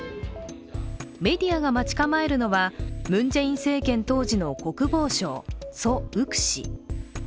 メディアが待ち構えるのは、ムン・ジェイン政権当時の国防相、ソ・ウク氏。